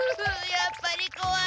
やっぱりこわい。